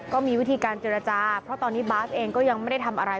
ก็มีวิธีการเจรจาเพราะตอนนี้บาสเองก็ยังไม่ได้ทำอะไร